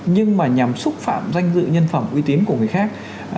nhưng mà nhằm xúc phạm danh dự nhân phẩm uy tín của người khác